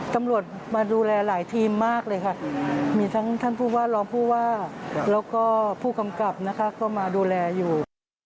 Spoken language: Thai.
ตำรวจมาดูแลหลายทีมมากเลยค่ะมีทั้งท่านผู้ว่ารองผู้ว่าแล้วก็ผู้กำกับนะคะก็มาดูแลอยู่